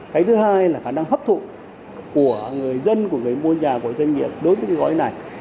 cái thứ hai là khả năng hấp thụ của người dân của người mua nhà của doanh nghiệp đối với cái gói này